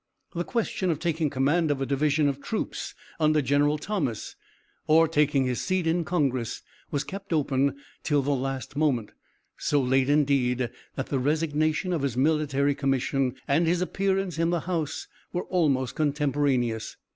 The question of taking command of a division of troops under General Thomas, or taking his seat in Congress, was kept open till the last moment, so late, indeed, that the resignation of his military commission and his appearance in the House were almost contemporaneous.